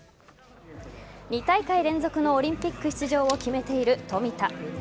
２大会連続のオリンピック出場を決めている冨田。